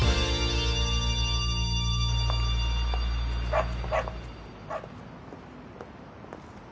あっ。